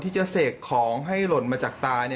ที่จะเสกของให้หล่นมาจากตา